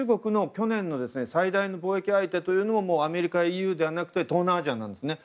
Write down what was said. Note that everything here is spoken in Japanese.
最大の貿易相手というのもアメリカ、ＥＵじゃなくて東南アジアなんですね。